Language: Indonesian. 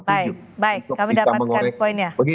baik baik kami dapatkan poinnya